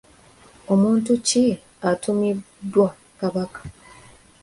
Omuntu ki atumiddwa Kabaka?